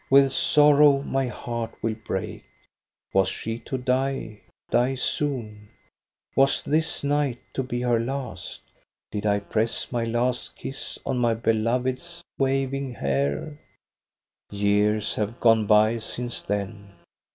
With sorrow my heart will break. Was she to die, die soon ? Was this night to be her last? Did I press my last kiss on my beloved's waving hair ?Years have gone by since then.